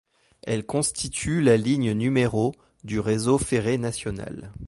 Elle constitue la ligne numéro du réseau ferré national.